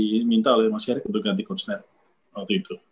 di minta oleh mas erick untuk ganti coach nath waktu itu